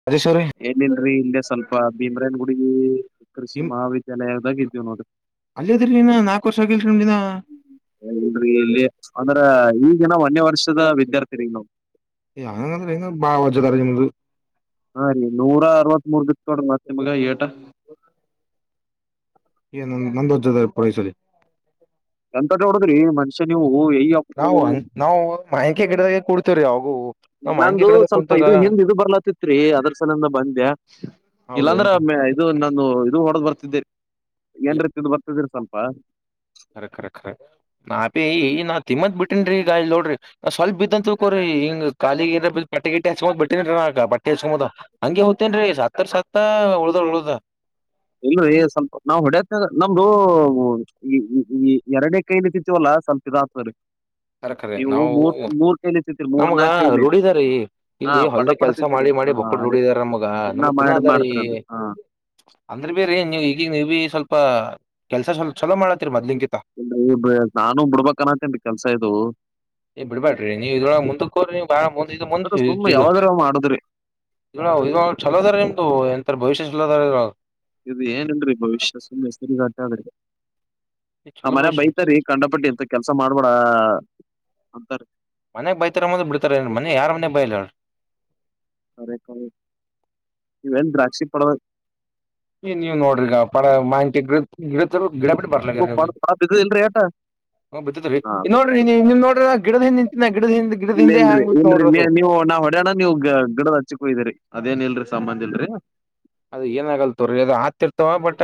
[unintelligible] ಏನೀಲ್ರರಿ ಇಲ್ಲೆ ಸ್ವಲ್ಪ ಭೀಮರಾಯನ ಗುಡಗಿ. ಕೃಷಿ ನಿಮ್ ಮಹಾವಿದ್ಯಾಲಯದಾಗದೀವಿ ನೋಡ್ರಿ. ಅಲ್ಲಿದ್ರಿ ನೀನ ನಾಲ್ಕು ವರ್ಷ ಆಗಿಲ್ರಿ ನಿಮ್ ದಿನ ಇಲ್ಲರಿ ಇಲ್ಲೆ ಅಂದ್ರ ಈಗ ನಾವ್ ಒನ್ಯ ವರ್ಷದ ವಿದ್ಯಾರ್ಥಿರಿ ನಾವು. ಅಂಗಂದ್ರ ಇನ್ ಬಹಳ ವಜ್ಜಿ ಆದ್ರ ನಿಮ್ದು. ಹಾ ರೀ ನೂರ ಅರವತಮೂರಬಿತ್ತು ನೋಡ್ರಿ ಮತ್ತ ನಿಮಗ ಏಟ. ಏ ನಂದ ನಂದ ವಜ್ಜಿ ಪುರ ಇಸಾರಿ. ಎಂತೇಟ ಓಡದ್ರಿ ಮನುಷ್ಯ ನೀವು ಏ ಯಪ್ಪೋ. ನಾವು ನಾವು ಮಾನಿಕಾಯಿ ಗಿಡದಾಗೆ ಕುಡ್ತೇವ್ರೀ ಆಗು ನಾವ್ ಮಾನಿಕಾಯಿ ಗಿಡದಾಗ ಕುಂತಾಗ. ಇತ್ರಿ ಅದ್ರ ಸಲಂದ ಬಂದ್ಯಾ ಇಲ್ಲಾಂದ್ರ ಹೌದೇನ್ರಿ ಇದು ನಾನು ಇದು ಹೊಡದ್ ಬರ್ತಿದ್ದೀರಿ ಏನರಾ ತಿಂದು ಬರ್ತಿದೀರಿ ಸ್ವಲ್ಪ. ಖರೆ ಖರೆ ನಾಪಿ ಈ ನಾತಿಮ್ಮತ್ ಬಿಟ್ಟೇನ್ರೀ ಈಗಲ್ ನೋಡ್ರಿ. ಸ್ವಲ್ಪ ಬಿದ್ದಂತ ತಿಳಿಕೋರಿ ಹಿಂಗ ಕಾಲಿಗ ಪಟ್ಟೆ ಗಿಟ್ಟ ಹಚ್ಕೋದು ಬಿಟ್ಟನರಿ ಬಟ್ಟೆ ಹಚ್ಕೊದು. ಹಂಗೆ ಹೋತೇನ್ರೀ ಸತ್ರ್ ಸತ್ತ ಉಳದರ ಉಳ್ದ. ಇಲ್ಲರಿ ಸ್ವಲ್ಪ ನಾವು ಹೊಡಿತ್ನ್ಯಾಗ ನಮ್ದು. ಈ- ಈ- ಈ ಎರಡನೇ ಕೈಬಿಟ್ಟಿವಿತ್ತಲಾ ಸ್ವಲ್ಪ ಇದಗ ತ್ರಿ. ಖರೆ ಖರೆ ನಾವು ತಿಂತೀರಿ ಮೂರ್ ನಮಗ ನಾಲ್ಕ್ ಕೈಲಿ ರೂಢಿದಾರಿ. ಹಾ ಇಲ್ಲಿ ಪಟ ಹೊಲ್ದಗ ಪಟ ಕೆಲ್ಸ ತಿಂತೀರಿ ಮಾಡಿ ಮಾಡಿ ಹಾ ಮಕ್ಕಳ ಅದೇ ರೂಡಿದಾರ ನಮಗ ದಿನ ನಮಗ್ ಕುನ ಮಾಡಿ ಅದಾರ ಈ. ಮಾಡ್ತಿರಲ್ರಿ ಹಾ ಅಂದ್ರ ಇಲ್ರಿ, ಬಿರಿ ನೀವು ಈಗೀಗ ನೀವು ಸ್ವಲ್ಪ ಕೆಲ್ಸ ಸ್ವಲ್ಪ ಛಲೋ ಮಾಡತ್ತೀರಿ ಮೊದ್ಲಿನ್ಕಿಂತ. ನಾನು ಬಿಡ್ಬಬೇಕು ಅನಾಕತಿನಿ ಕೆಲ್ಸ ಇದು. ಏ ಬಿಡ್ಬ್ಯಾಡ್ರಿ ನೀವು ಇದ್ರಳ ಮುಂದಕ ಹೋಗ್ರಿ ನೀಬಾಳ ಮುಂದ ಮುಂದ ಮಾಡದ್ರಿ. ಇವ ಇ ಚಲೋದಾರ ನಿಮ್ದು ಎಂಥರ ಭವಿಷ್ಯ ಚಲೋದರಿ ಇದು ಏನೀಲ್ರಿ ಭವಿಷ್ಯ ಸುಮ್ಮನೆ ಹೆಸರಿಗ ಆಟೆ ಆದ್ರೆ. ನಮ್ಮ ಚಲೋ ಮನೆಗಯ ಭವಿಷ್ಯ ಬೈತಾರೀ ಕಂಡಪಟ್ಟಿ ಇಂತ ಕೆಲ್ಸ ಮಾಡಬೆಡ್ ಅಂತಾರೀ. ಮನೆಗ ಬೈತಾರ ಅಂಬಾದ ಬಿಡ್ತಾರ ಮನೆಗ ಯಾರ್ ಮನೆಗ ಬೈಯಲ್ಲೇಳ್. [unintelligible] ಇವೆನಾ ದ್ರಾಕ್ಷಿ ಪಡದ ಈ ನೀವ್ ನೋಡ್ರಿ ಈಗ ಪಡ ಹ್ಮಲ್ರಿ ಮಾನ್ಕಿ ಗಿಡ ಗಿಡತರು ಗಿಡ ಬಿಟ್ಟ ಬರ್ಲಾಗ್ಯಾರ ಆಟ [unintelligible] ಬಿದ್ದತ್ರಿ ಹ ಇಲ್ ನೋಡ್ರಿ ನೀವ್ ನಿಮ್ ನೋಡ್ರಿ ಗಿಡದ ಹಿಂದ್ ನಿಂತಿನ ಗಿಡದ ಹಿಂದ್ ಗಿಡದ ಇಲ್ಲ ಹಿಂದೆ ಇಲ್ರಿ ಹ್ಯಾಂಗ್ ಬಿತ್ ಇಲ್ರಿ ನೋಡ್ರಿ ನೀ ಅದು ನೀವು ನಾ [unintelligible] ಗಡಣ್ಣ ನೀವು ಗಿಡದ ಹಚ್ಚಿಕೋಯ್ದಿರಿ ಅದೇನ್ ಇಲ್ರರಿ ಸಂಬಂದ್ ಇಲ್ರಿ. ಅದ ಏನ ಆಗಲ್ತಗರಿ ತೋಗರಿಅದು ಆತಿರ್ತವ ಬಟ್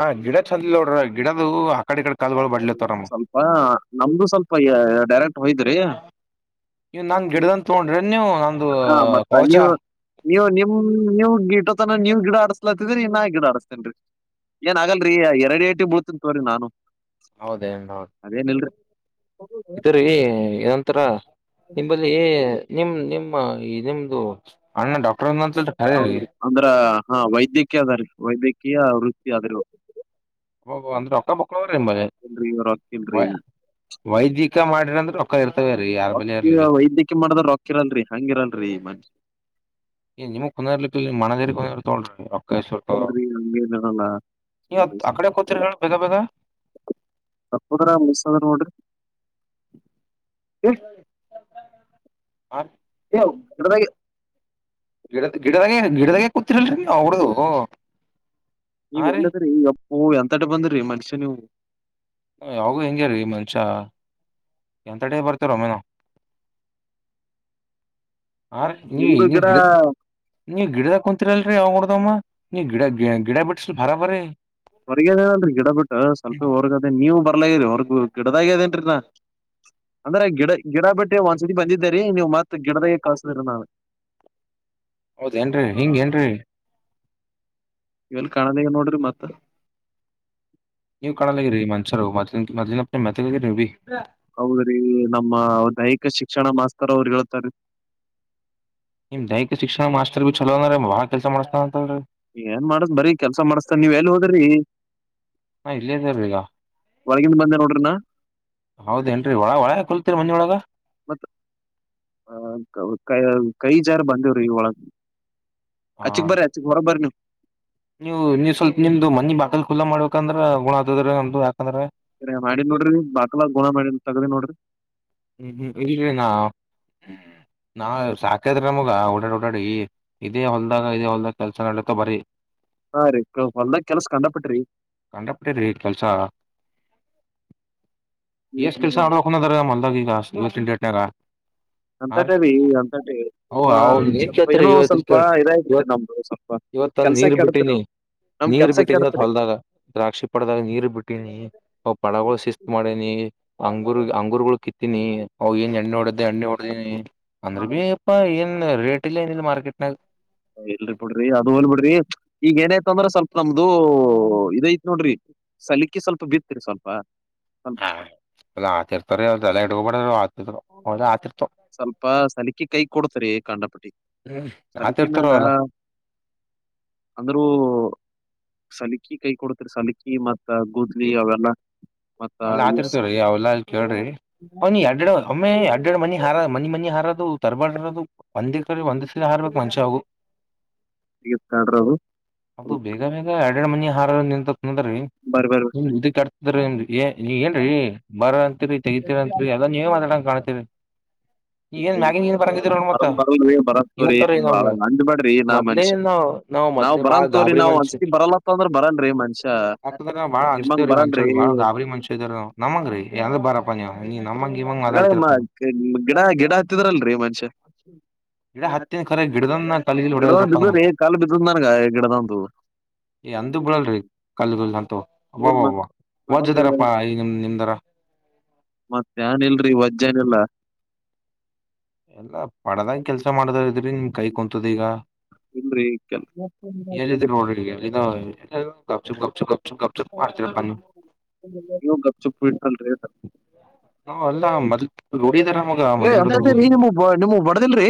ಆ ಗಿಡ ಚೆಂದ ನೋಡ್ರ ಗಿಡದ ಕಡೆ ಕಲ್ [inaudible] ಸ್ವಲ್ಪ ನಮ್ದು ಸ್ವಲ್ಪ ಡೈರೆಕ್ಟ್ ಹೋಯದ್ರಿ ನೀವ್ ನಾನ್ ಗಿಡದಂತ ತೊಗೊಂಡ್ರಿ ನೀವು ನಂದು ಹ ಮತ್ತ ಕವಚ ನೀವು [unintelligible] ನೀವು ನಿಮ್ ನೀವ್ ಗಿಟತನ ನೀವ್ ಗಿಡ ಆಡಸ್ಲಾತ್ತಿದ್ರರಿ ನೀನ್ ನಾ ಗಿಡ ಆಡಸ್ತೇನ್ ರಿ. ಏನ್ ಆಗಲ್ರಿ ಎರಡ ಎ ಟಿಗಿ ಬುಳ್ತಿತನೋಡ್ರಿ ನಾನು. ಹೌದೇ ಹೌ ಅದೇನಿಲ್ರಿ [inaudible] ಇದಂತರ ನಿಂಬಲ್ಲಿ ನಿಮ ನಿಮ್ಮ ನಿಮ್ದು [unintelligible] [inaudible] ಅಣ್ಣ ಡಾಕ್ಟರ ಆನಂತಲ್ ಕರೆ ರಿ ಹೌದ್ರಿ ಅಂದ್ರ ಹಾ ವೈದ್ಯಕೀಯ ಅದಾರಿ ವೈದ್ಯಕೀಯ ವೃತ್ತಿ ಆದ್ರಿ ಅಂದ್ರ ರೊಕ್ಕ ಮಕ್ಕಳವ್ರ ನಿಮ್ಮ [unintelligible] ಲ್ರಿ ಇವ್ [unintelligible] ವ ವೈದ್ಯಕೀಯ ಮಾಡಿರಂದ್ರ ರೊಕ್ಕ ಇರ್ತವ ರೀ ಯಾರ ಬಲ್ಲೆ ಇರ್ಲಿ. ಮಾಡದ್ ರೊಕ್ಕಿರಲ್ನ್ರಿ ಹಂಗಿರಲ್ರರಿ ಮನ್ ನಿಮ ಕುಂದರ್ಲಿಕ್ಕ ಮನದೇರಿ ಕು ತೊಳ್ರಿ ರಕ್ಕ ಇಲ್ರಿ [unintelligible] ಹಂಗೇನಿರಲ್ಲ ಈತ್ ಆಕಡೆ ಕೊತೀರ ಹೇಳು ಬೇಗ ಬೇಗ ತದ್ರ ಮಿಸ್ದ್ರ ನೋಡ್ರಿ [unintelligible] [inaudible] ಏ ಹ ಏ, ಕಡ್ದಾಗೆ [inaudible] ಗಿಡದ ಗಿಡದಾಗೆ ಗಿಡದಾಗೆ ಕೂತಿರಲ್ರಿ ನೀಡದು [unintelligible] ನೀವ್ ಎಲ್ಲದ್ರಿ ಎಪ್ಪೊ ಎಂತಟ ಬಂದ್ರಿ ಮನುಷ್ಯರ ನೀವು ಯಾವಾಗಲು ಹೆಂಗೇರಿ ಮನುಷ್ಯ ಎಂತ ಟೇ ಬರ್ತಾರ ಒಮ್ಮೆ. ಹ ರೀ ನಿಮ್ದು ನೀ ಗಿಡ [inaudible] ನೀ ಗಿಡದ ಕುಂತಿರಲ್ರಿ ಅವ್ ಹೊಡಮ್ಮ ನೀ [unintelligible] ಗಿಡ ಗ ಗಿಡ ಬಿಟ್ಟಸಲ್ ಬರ ಬರೀ ಹೊರಗದೇನನ್ರಿ ಗಿಡ ಬಿಟ್ಟು ಸ್ವಲ್ಪ ಹೊರಗದೇ ನೀವು ಬರ್ಲರಿ ಹೊರ್ಗ ಗಿಡದಾಗ ಅದೇನ್ರೀ ನಾ ಅಂದ್ರೆ ಗಿಡ ಗಿಡ ಬಡ್ಡಿ ಒಂದ್ಸತಿ ಬಂದಿದ್ದರಿ ನೀವು ಮತ್ತ್ ಗಿಡದ ತಿರ ನಾಳೆ ಹೌದೇನ್ರಿ ಹಿಂಗ [unintelligible] ಏನ್ರೀ ಎಲ್ಲಿ ಕಾಣಲಾನನೋಡ್ರಿ ಮತ್ತ್ ನೀವು ಕಾಣಲಾಗಿ [unintelligible] ರಿ ಮನ್ಸರು ಮದ್ ಮದ್ನ ಮಲರಿವೀ ಹೌದ್ರಿ ನಮ್ಮ ದೈಹಿಕ ಶಿಕ್ಷಣ ಮಾಸ್ತರ್ ಅವ್ರು ಹೇಳ್ತಾರೆ. ನಿಮ್ಮ ದೈಹಿಕ ಶಿಕ್ಷಣ ಮಾಸ್ರ್ ಭೀ ಚಲೋದರೀಲ ಬ ಬಾಳ ಕೆಲಸ ಮಾಡ್ಸತಾನಅಂತ ರೀ ಏನ್ ಮಾಡತ್ ಬರೀ ಕೆಲ್ಸಾ ಮಾಡಸ್ತನ ನೀವ ಎಲ್ಲಿ ಹೋದ್ರಿ ನಾ ಇಲ್ಲೇ ಇದೇವ್ರಿ ಈಗ ಹೊಳಗಿಂದ ಬಂದೆ ನೋಡ್ರಿನಾ ಹೌದೇನ್ರಿ ಒಳ ಒಳಗ ಕುಂತಿರಿ ಮನಿಹೊಳಗ. ಮತ್ತ ಅ ಕೈ ಜಾರ್ ಬಂದಿವ್ರಿ ಇ ಒಳಗ್ ಅಚಿಕ್ ಬರ್ರಿ ಅಚಕ್ ಹೊರ ಬರ್ರನೀವು. ನೀವು ನೀವು ಸ್ವಲ್ಪ ನಿಮ್ದ ಮನಿ ಬಾಕಲ್ ಕುಲ್ಲಾ ಮಾಡ್ಬೇಕಂದ್ರೆ ಗುಣ ಅದ ಯಾಕಂದ್ರೆ ಸ ಮಾಡಿ ನೋಡ್ರಿ ಬಾಕ್ಲ [unintelligible] ಮಾಡಿ ತಗ್ದಿ ನೋಡ್ರಿ ಹ್ಮ್ ಹ್ಮ್ ಇಲ್ರಿ ನಾ [unintelligible] ನಾ ಸಾಕಾದ್ರೆ ನಮಗ ಓಡಾಡಿ ಓಡಾಡಿ ಇದೇ ಹೊಲ್ದಾಗ ಇದೇ ಹೊಲ್ದಾಗ ಕೆಲ್ಸ ನಡಿತವಬರೀ. ಹಾ, ರೀ ಹೊಲ್ದಗ ಕೆಲ್ಸ ಕಂಡಪಟ್ಟಿರಿ. ಕಂಡ ಪಟ್ಟಿದ್ರಿ ಕೆಲ್ಸ ಎಷ್ಟ ಕೆಲ್ಸ ನಡೋ [unintelligible] ಹನದರಗ ಮಲ್ಲದಗ ತಿಂಡ ಎನ ಅಂತಟ ರೀ [unintelligible] ಅಂತಟ ಇವ ಸ್ವಲ್ಪ ಏನೋ [unintelligible] ಸ್ವಲ್ಪ ಇವತ್ತು. ಇದಾಯ್ತ್ರಿ ನಮ್ದು ಸ್ವಲ್ಪ ಇವತ್ ಒಂದು ಕೆಲ್ಸ ನೀರ್ ಕೆಡತ್ರಿ ಬಿಟ್ಟಿನಿ. ನಮ್ ನೀರ್ ಕೆಲ್ಸ ಬಿಟ್ಟನಿ ಇವತ್ತು ಕೆಡತ್ರಿ ಹೊಲ್ದಾಗ ದ್ರಾಕ್ಷಿ ಪಡದಾಗ ನೀರ್ ಬಿಟ್ಟಿನಿ ಅವು ಪಳಗಳು. ಮಾಡನಿ ಅಂಗುರ್ ಅಂಗುರುಗಳ ಕಿತ್ತೀನಿ ಅ ಏನ್ ಎಣ್ಣೆ ಹೊಡ್ದೆ ಎಣ್ಣೆ ಹೊಡ್ದನಿ. ಹಾ ಅಂದ್ರೆ ಬಿ ರೀ ಯಾಪ್ಪ ಏನ್ ರೇಟ್ ಇಲ್ಲ ಏನಿಲ್ಲ ಮಾರ್ಕೆಟ್ನಾಗ. ಎಲ್ರಿ ಬಿಡ್ರಿ ಅದು ಹೋಗ್ಲಿ ಬಿಡ್ರಿ ಈಗ ಏನಾಯತ ಅಂದ್ರೆ ಸ್ವಲ್ಪ ನಮ್ದು ಇದ ಐತ್ ನೋಡ್ರಿ. ಸಲಕೆ ಸ್ವಲ್ಪ ಬಿತ್ರಿ ಸ್ವಲ್ಪ. ಸ್ವಲ್ಪ [unintelligible] ಅವೆಲ್ಲ ಆತಿರ್ತವ ಸ್ವಲ್ಪ ಸಲಕೆ ಕೈ ಕೊಡ್ತರಿ ಕಾಂಡಪಟ್ಟಿ. ಸರಿಕೆ ಆತಿರ್ತಾರ ಮ್ಯಾಗ ಅವಲ್ಲ ಅಂದ್ರೂ. ಸಲಕಿ ಕೈ ಕೊಡ್ತರಿ ಸಲಕಿ ಮತ್ ಗೂದ್ಲಿ ಅವೆಲ್ಲ. ಮತ್ತ ಹೊಲ್ಲ ಆತಿ ಇವ್ ಸ- ಇರ್ತವ್ರೀ ಅವಲ್ಲ ಅಲ್ಲಿ ಕೇಳ್ರಿ ನೀ ಎರಡು ಆಮ್ಮೆ ಅಡ್ಡೆರಡು ಮನಿ ಹಾರ ಮನಿ ಮನಿ ಹಾರೋದು ತಡಬೇಡಿರಿ ಅದು. ಸಿಗತ್ತ್ ಒಂದಿಕ್ಕೀ ಒಂದ್ ನೋಡ್ರಿ ಸಲ ಹಾರ್ಬೇಕಕ್ ಮಂಚ ಅವು. ಅದು ಬೇಗ ಬೇಗ ಎರಡೆರಡು ಮನಿ ಹಾರ ನಿಂತತ್ ಅಂದೀ. ಬರ್ರಿ ಇದ ಕಟ್ತ್ರನ್ ಏನೀ ಏನ್ರೀ ಬರ ಅಂತಿರಿ ತಗತಿರಂತತ್ರಿ ಅದ ನೀವೇ ಮಾತಾಡ. ಕಾಣತೀವಿ. ಈಏನ್ ಮ್ಯಾಗಿನ್ ಏನ್ ಬರಂಗಿದಿರ ಮತ್ತ ಬರದ್ ಬರಲ್ರಿ ಬರತ್ ತೋರಿ ಇವತ್ತ ಈ ನೀವ್ ಅಂದ್ಬೇಡ್ರಿ ನಾ ಮೊದ್ಲೇ ಮನುಷ್ಯ ಏನು. ನಾವು ನಾವ್ ಮದ ಬಾಳ ಬರಲ್ ತೋರಿ ಗಾಬರಿ ನಾವ್ ಮನಷ್ಯ ಒಂದ್ಸತಿ ಬರಲ್ಲತ್ತ ಅಂದ್ರ ಬರಲ್ರಿ ಮನುಷ್ಯ ಆ ಬಾಳ ನಿಮ್ಮಂಗ್ ಹಂಚ್ತವರೀ ಮಂಷ ಬರಲ್ರಿ ಬಾಳ ಗಾಬರಿ. ಮಷ ಇದರ ನಮ್ಮಂಗ ರೀ ಬಾರ ನೀ ನಮ್ಮಂಗ ಹಾಗಾದ್ರೆ ಮಾತಾಡ್. ಮ- ಕ- ಗಿಡ ಗಿಡ ಹತ್ತಿದ್ರಲ್ರಿ ಮನಷ್ಯ. ಗಿಡ ಹತ್ತಿನ ಖರೆ ಗಿಡದನ್ನ ಕಲ್ಗಿಲ್ ಗಿಡದ ಹೊಡಲ್ರಪ್ಪ ನಾವ್ ಬ್ರೀ ಕಾಲು ಬಿದ್ದ ನನ್ಗ ಗಿಡದಂತ. ಏ ಅಂದ ಬಿಳಲ್ರಿ ಕಲ್ಲ ಅಂತೂವ್ವ ಮತ್ತ್ ವಜ್ದಾರಪ್ಪಾ ಈ ನಿಮ್ ನಿಮ್ದಾರ. ಮತ್ತ ಏನ್ ಇಲ್ರರಿ ವಜ್ಜನ್ ಇಲ್ಲಾ. ಎಲ್ಲಾ ಪಡದಂಗ ಕೆಲ್ಸ ಮಾಡುದ ಇದ್ರಿ ನಿಮ್ ಕೈ ಕುಂತದೀ ಈಗ. ಇಲ್ರರಿ ಕೆಲ್ಸ. ಎಲ್ಲಿದ್ದೀರಿ [unintelligible] ಮಾಡ್ತಿರಪ್ಪ ನೀವು ಈಗ ಗಪ್ ಚುಪ್ಪ ಇಟ್ಕಲ್ರಿ. ಹಾ ಅಲ್ಲ [unintelligible] ಏ ಅಂತಟರಿ ನಿಮ್ಮ ನೀವು ಬಡದಿಲ್ರಿ.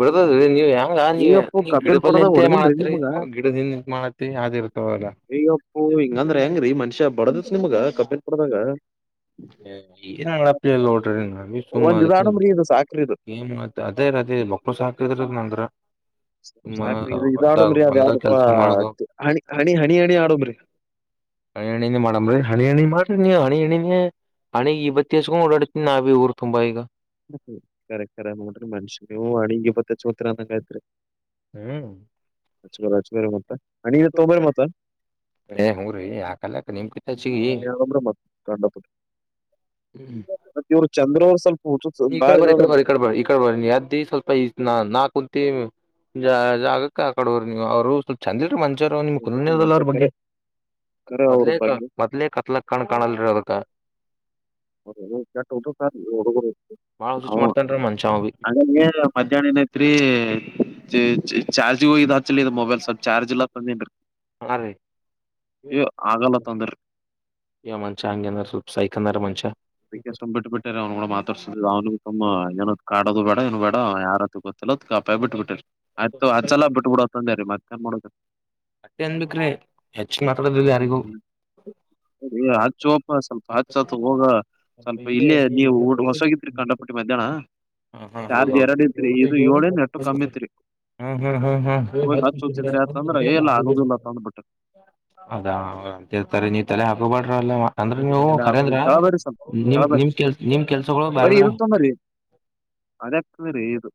ಬಿಡದದೀ ನೀವ್ ಹೆಂಗ ಅಯ್ಯಪ್ಪು ನೀ ಗಿಡ ಕಬ್ಬಿನ ಬಲ್ ಪಡದಾಗ ಅಂತ ಹೊಡೆದಿನ್ರಿ ಮಾಡತ್ರಿ ನಿಮಗ ಗಿಡದಿಂದ ಮಾಡತ್ರಿ. ಅದು ಇರ್ತಾವಲ್ಲ. ಓ ಹಿಂಗಂದ್ರ ಹೆಂಗ್ರೀ ಮನುಷ್ಯ್ಯಾ ಬಡದತ್ ನಿಮ್ಗ ಕಪ್ಪೇತ್ ಬಡದಾಗ. ಒಂದ್ ಇದಾಡಮ್ರಿ ಇದು [unintelligible] ಸಾಕ್ರಿ ಇದು [unintelligible] ಸುಮ್ಮ ಸಾಕ್ರಿ ಇದು ಇದದು ಹೊಲ್ದಾಗ ಆಡಂಬ್ರಿ ಅದು ಹೊಲ್ದಾಗ ಯಾವುಪ್ಪ ಕೆಲ್ಸ ಮಾಡ್ದ ಹಣಿ ಹಣಿ ಹಣಿ ಹಣಿ ಆಡಂಬ್ರಿ. ಹಣಿಣಿನ ಮಾಡ್ರಿ ಹಣಿ ಮಾಡ್ರಿ ನೀವು ಹಣಿ ಹಣಿಮೆ ಹಣಿಗೇ ವಿಭೂತಿ ಹಚ್ಚಿಕೊಂಡು ಓಡಾಡ್ತಿನಿ ನಾವಿ ಊರು ತುಂಬ ಈಗ. ಕರೆ ಖರೆ ನೋಡ್ರಿ ಮನ್ಷ್ಯವು ಅಡಿಗ್ ಇಪ್ಪತ್ತಚ್ಚ ಹತ್ತರ ಅಂದಂಗಾಯತ್ರಿ. ಹ್ಮ್ [unintelligible] ತೊಗೊಂಬ್ರಿ ಮತ್ತ [unintelligible] [unintelligible] [inaudible] ಇವರು ಚಂದ್ರು ಅವ್ರು ಸ್ವಲ್ಪ. ಹುಚ್ಚು ನೀ ಈ ಕಡ ಬಾಳ ಬರಿ ಇಕಡ ಇದಾವ್ರಿ ಬರಿ ಇಕಡ ಬರಿ ಇ ಕಡ ಬರಿ ನೀ ಅದ್ದಿ ಸ್ವಲ್ಪ ಈ ನಾ ನಾ ಕುಂತಿ ಜ ಜಾಗಕ್ಕ ಆಕಡ ಹೊರ್ ನೀವು ಅವರ್ ಸು ಚಂದ ಇಲ್ರಿ ಮನಸೇರ್ ಅವನ್ ನಿಮುಗ್ ಕುನನೆ ಅದಲ ಮನುಷ್ಯ ಅವ್ರ ಬಗ್ಗೆ ಕರೆ ಕರೆ ಅವ್ರ ಮೊದ್ಲೇ ಕ ಬಗ್ಗೆ ಮೊದ್ಲೇ ಕತ್ಲಕ್ಕ. ಕಣ್ಣ್ ಕಾಣನ್ರಿ ಅದಕ್ಕ. ಹೌದೆನು ಕೆಟ್ [unintelligible] ಆದ್ರಿ ಈ ಹುಡುಗುರು ಬಾಳ ಹುಚ್ ಹ್ಮ್ ಮಾಡ್ತನ್ರಿ ಮನ್ಷ ಅವ ಬಿ [unintelligible] ಮಧ್ಯಾಹ್ನ ಏನೈಐತ್ರಿ. ಚ ಚ ಚಾರ್ಜ ಈಗ್ ಹೋಗ್ ಇದ ಹಚ್ಚಲೇ ಇದ ಮೊಬೈಲ್ ಸ್ವಲ್ಪ್ ಚಾರ್ಜ ಇಲ್ಲ ಅತ್ ಅಂದಿನ್ರಿ. ಹಾ ರೀ ಯ ಆಗಲ್ಲ ಅತ್ ಅಂದರಿ. ಏ ಮನಷ್ಯ ಹಂಗೆ ಹನ ರಿ ಸ್ವಲ್ಪ್ ಸೈಕ್ ಹನಾರಿ ಮನಷ್ಯ. ಅದಿಕ್ಕೆ ಸುಮ್ ಬಿಟ್ ಬಿಟ್. ಅಟ್ಟೇರಿ ಅವ್ನು ಕೂಡ ಮಾತಾಡ್ಸುದ ಅವನುಬಿ ಕಮ್ ಏನರ ಕಾಡದು ಬ್ಯಾಡ ಏನು ಬ್ಯಾಡ ಯಾರತ್ರ ಗೊತ್ತಿಲ್ಲ ಆತ್ ಗಪ್ಪಾಗಿ ಬಿಟ್ಟ ಬಿಟ್ಟೇರಿ. ಆಯ್ತ ತೋ ಹಚ್ಚಲ ಬಿಟ್ ಬಿಡು ಆತ್ ಅಂದೇರಿ ಮತ್ತೇನ್ ಮಾಡೊದ್ರಿ. ಅಟ್ಟೆ ಅನ್ಬೇಕ್ರೆ ಹೆಚ್ಗಿ ಮಾತಾಡದಿಲ್ಲ ಯಾರಿಗೂ. ಏ ಹಚ್ಚೋಪ್ಪ ಸ್ವಲ್ಪ ಹಚ್ ಅತ್ ಹೋಗ. ಸ್ವಲ್ಪ ಇಲ್ಲೇ ನೀವು ಊ ಹೊಸೋ ಆಗಿತ್ರಿ ಕಂಡಪಟ್ಟಿ ಮಧ್ಯಾಹ್ನ. ಹ ಹಾ ಹೌದ ಚಾರ್ಜ್ ಎರಡ್ ಇತ್ರಿ ಹೌದ ಇದು ಏಳೇನ್ ಎಟ್ಟು ಕಮ್ಮಿ [unintelligible] ಇತ್ರಿ ಹ್ಮ್ ಹ್ಮ್ ಹ್ಮ್ ಹ್ಮ ಹೋಗಿ ಹಚ್ಚ ಹಚ್ಚಿದ್ರಿ ಆತಂದ್ರ ಏ ಇಲ್ಲ ಆಗುದಿಲ್ಲ [unintelligible] ತಂದ್ಬಿಟ್ಟ ಅದಾ ಅಂತೀರತಾರೆ ನೀ ತಲ್ಯಾಗ್ ಹಾಕೋಬ್ಯಾಡ್ರ ಅಲ್ಲ ಅಂದ್ರ ನೀವು ಎಲ್ಲ ಖರೆ ಹಾಕೊಂಡು ಅಂದ್ರ. ಗಾಬರಿ ಸ್ವಲ್ಪ ನಿಮ್ ಗಾಬರಿ ನಿಮ್ ಕೆಲ್ಸ ನಿಮ ಕೆಲ್ಸಗೊಳ ಬ್ಯಾರೆದೋರಿಗ್. ಅದೆ ಆಕ್ತದ್ರಿ ಇದು.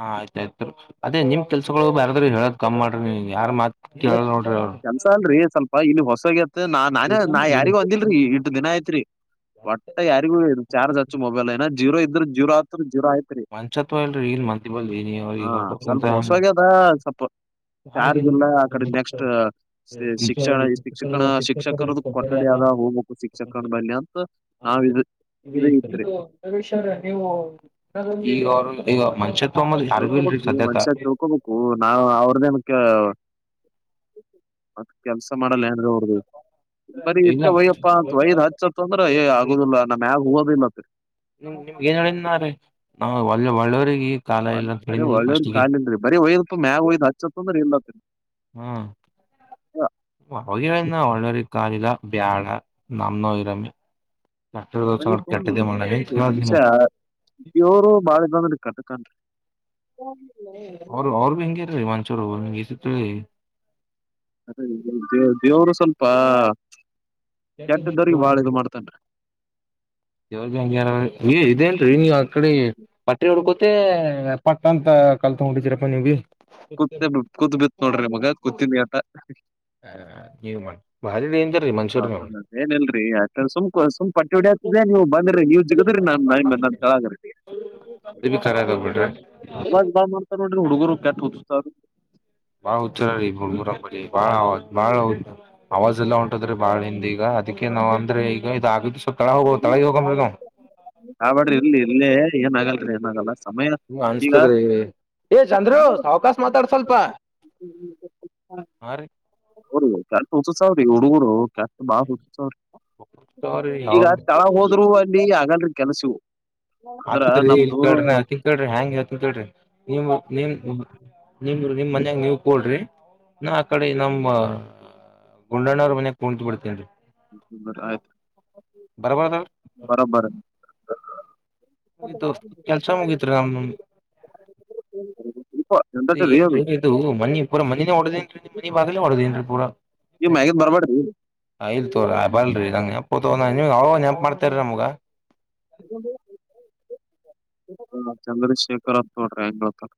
ಹಾ ಆಯ್ತಾಯ್ತ್ ಅದೇ ನಿಮ್ ಕೆಲ್ಸಗೊಳ ಬ್ಯಾರೆದೊರಿಗ್ ಹೇಳದ ಕಮ್ಮ್ ಮಾಡ್ರಿ ನಿ ಯಾರ್ ಮಾತ್. ಏ ಕೇಳಲ್ ನೋಡ್ರಿ ಅವ್ರು ಕೆಲ್ಸ ಅಲ್ರಿ ಸ್ವಲ್ಪ ಇಲ್ಲಿ ಹೊಸು ಆಗ್ಯದ. ತ ನಾ ನಾನೆ ನಾ ಯಾರಿಗೊ ಅಂದಿಲ್ರಿ ಇಟ್ ದಿನ ಆಯತ್ರಿ. ಒಟ್ಟ ಯಾರಿಗೂ ಇದು ಚಾರ್ಜ್ ಹಚ್ಚು ಮೊಬೈಲ್ ಏನ ಜೀರೋ ಇದ್ರ ಜೀರೋ ಆತ್ ಜೀರೋ ಆಯ್. ಮನ್ಷತ್ವ ಇಲ್ರಿ ಇಲ್ ಮಂದೀಬಲ್ಲಿ [unintelligible] ಹೇಳ್ಕೊತಕುತ್ರ ಹೆಂಗ್ರಿ. ಹ ಸಪ್ ಬಾರ್ ಗಿನಿಗ್ [unintelligible] ಕಡೆ ನೆಕ್ಸ್ಟ್ ಶಿಕ್ಷಣ ಶಿಕ್ಷಕನ ಶಿಕ್ಷಕರದು ಕೊಠಡಿ ಆದ ಹೋಗ್ಬೇಕು ಶಿಕ್ಷಕನ ಬಲ್ಯಂತ್. ತ ನಾವ್ ಇದು. [unintelligible] ಇದು [unintelligible] ನೀವು ಈಗ ಅವ್ರು ಈಗ್ ಅವರ್ ಮಾನ್ಸ್ಯಾತ್. ತೊಮಲಿ ಯಾರಿಗೂ ಇಲ್ರಿ ಸದ್ಯಕ. ಓ ನಾವ ಅವ್ರದೇನಕ್ಕೆ ಮತ್ತ ಕೆಲ್ಸ ಮಾಡಲ್ಲ ಏನ್ರು. ಹ್ಮ್ ಬರಿ ಇಲ್ಲ ಇಟ್ಟೆ ವಯ್ಯಪ್ಪಾ ಅಂತ ವಯದ್ ಹಚ್ಚತ್ತ ಅಂದ್ರ ಏ ಆಗುದಿಲ್ಲಾ ನಮ್ಯಗ ಓದುಲ್ಲತ್ರಿ. ನಿಮ್ ನಿಮ್ಗ ಏನ್ ಹೇಳಿನ್ನಾರಿ ನಾ ಒಳ್ಳೆ ಒಳ್ಳವರಿಗಿ ವಲ್ ಅದೇ ಒಳ್ಳೆವ್ರಗಿ ಕಾಲಿಲ್ರಿ ಬರಿ ಒಯ್ಯದಪ್ಪ ಮ್ಯಾಗ ಒಯ್ದ್ ಹಚ್ಚತ್ ಅಂದ್ರ ಇಲ್ಲತ್ರಿ. ಹ್ಮ ವ ಅವಗೆ ಹೇಳಿನಾ ಒಳ್ಳೆರಿಗ್ ಕಾಲಿಲ್ಲ ಬ್ಯಾಡ ನಮ್ನ ನಾವ್ ಇರಾಮಿ. ಕೆಟ್ಟದ್ದೊರ ಬರೀ ಸಂಘಟ ಸುಮ್ ಕೆಟ್ಟದೆ ಮಾಡಮಿ [unintelligible] ಇವ್ರು ಬಾಳ ಇದು ಅದಾನ್ರಿ ಕಟಕಾನ್ರಿ. ಯಾರಿಲ್ಲ. ಅವ್ರ ಅವ್ರಬಿ ಹೆಂಗೇರೀ ಮಂಚೂರು [unintelligible] ರಿ ಅದೇರಿ ದೇವ್ರ ದೇವ್ರ ದೇವರು ಸ್ವಲ್ಪ ಕೆಟ್ಟದೋರಿಗ್ ಬಾಳ ಇದು ಮಾಡ್ತನ್ರಿ. ದೇವ್ರಬಿ ಹಂಗೆ ಹನರಿ ಏ ಇದೆಲ್ರಿ ಅ ಈ ಕಡಿ ಪಟ್ರಿ ಹೊಡ್ಕೋತೆ ಪಟ್ಟ ಅಂತ ಕಲ್ ತೊಂಡ ಹೊಡಿತಿರಪ್ಪ ನೀವ್ ಬಿ. ಕತ್ ಬಿತ್ ಕೂತ್ ಬಿತ್ ನೋಡ್ರಿ ಮಗ ಕೂತಿನಿ ಆತ [unintelligible] ಹ ನೀವ ಮಾಡ [inaudible] ಭಾರಿ ಡೇಂಜರ್ ರೀ ಮನ್ಸೂರ್ ನೀವು ಏನಲ್ರಿ ಸುಮ್ ಸು್ ಪಟ್ಟಿ ಹೊಡಿ ಆತ್ರ್ರ ನೀವು ಬಂದ್ರಿ ನೀವು ಸಿಗದ್ರೀ ನನ್ ನನ್ ಕಳಗರ್ೀ [unintelligible] ಅ ಬಿ ಖರತೋಗ್ಬಿಡ್ರಿ ಅವಾಗ [unintelligible] ಬಾ ಮಾಡ್ತಾರ ನೋಡ್ರಿ ಹುಡುಗರು ಕೆಟ ಹುಚ್ಚುಚ್ಚಾವ. ಬಾಳ ಹುಚ್ಚಾದರಿ ಬಾಳ [unintelligible] ಬಾಳ ಹೌ ಅವಾಜ ಎಲ್ಲಾ ಹೊಂಟದ್ರಿ ಬಾಳ್ ಹಿಂದ ಈಗ ಅದಕ್ಕೆ ನಾವ್ ಅಂದ್ರೆ ಈಗ ಇದ ಆಗದು ಸ್ವಲ್ಪ ಕಡ ಹೋಗೋ ತಳಿಗೆ ಹೋಗಮೆನು. ಕಾಬಾರಿ ಇರ್ಲಿ ಇಲ್ಲೇ ಏನ್ ಆಗಲ್ರಿ ಏನ ಆಗಲ್ಲ್ರಿ ಅಮೆಿನ ಹ್ಮ ಅನ್ಸ್ತದ್ರಿ ಏ ಚಂದ್ರು ಸಾವಕಾಶ ಮಾತಾಡ್ ಸ್ವಲ್ಪ [inaudible] ಹಾ ರೀ ಅವರಿ ಕೆಟ್ಟ ಹುಚ್ಚುಚ್ಚಾವ್ರಿ ಹುಡುಗುರು ಕೆಸ ಬಾಳ ಹುಸು [unintelligible] ಸಾರಿ ಈಗ ಅವ್ರ ತಳಗ ಹೋದ್ರು ಅಲ್ಲಿ ಹಾಗಲ್ರಿ ಕೆಲ್ಸವು. ಅಂದ್ರ ನಮ್ದು ಕ್ರಿ ಹೆ್ಯಾಂಗಗೆ ಯತ್ಂತ ಕ್ರಿ ನೀವು ನಿಮ [unintelligible] ನಿಮ್ಮ ನಿಮ್ ಮನ್ಯಾಗ ನೀವ ಕೂಡ್ರಿ ನ ಆ ಕಡೆ ನಮ್ಮ ಗುಂಡಣ್ಣ್ರ ಮನೆಗೆ ಕುಂತು ಬಿಡ್ತೇನಿ. ಬ್ರ ಆಯ್ತು [inaudible] ಬರ್ಬದ [unintelligible] ಬರಬರ [unintelligible] ಮುಗಿತು ಕೆಲ್ಸ ಮುಗೀತ್ರಿ ನಮ್ [inaudible] ಏನ್ರಿ ಇದು ಮಿ ಪೂರ ಮಿನೇಡದೇನ್ೀ ಮನೆಿಾಗೇ ಒಡದೇನ್ೀ ಪೂರ [unintelligible] ಈವ ಮ್ಯಗತ್ ಬರ್ಬೇಡ್ರಿ [unintelligible] ಇಲ್ ತೋಗರಿ ಬಲ್ರಿ ನಂಗೆ ಎಂಪ್ ನೀವ ಅವಗವಗ ನೆನಪು ಮಾಡ್ತೀರಿನಮ್ಗ. ಚಂದ್ರಶ್ ಶೇಖರ್ ಅಂತ ನೋಡ್ರಿ ಹೆಂಗ್ತ